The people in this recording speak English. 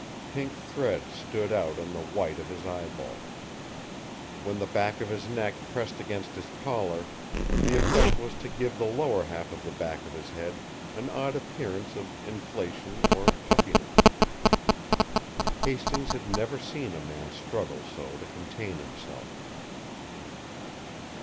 Pink threads stood out on the white of his eyeballs. When the back of his neck pressed against his collar, the effect was to give the lower half of the back of his head an odd appearance of inflation or puffiness. Hastings had never seen a man struggle so to contain himself.